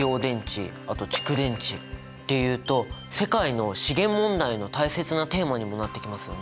あと「蓄電池」っていうと世界の資源問題の大切なテーマにもなってきますよね。